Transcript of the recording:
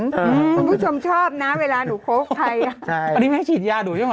คุณผู้ชมชอบนะเวลาหนูโค้กใครอ่ะใช่อันนี้แม่ฉีดยาหนูใช่ไหม